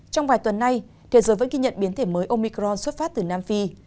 trong vài tuần nay thế giới vẫn ghi nhận biến thể mới omicron xuất phát từ nam phi